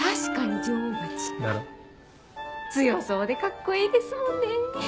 強そうでカッコいいですもんね！